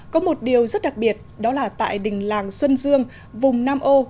có một điều rất đặc biệt đó là tại đình làng xuân dương vùng nam ô